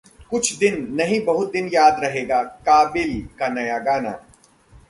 'कुछ दिन' नहीं बहुत दिन याद रहेगा 'काबिल' का नया गाना